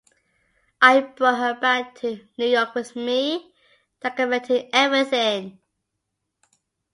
I brought her back to New York with me, documenting everything.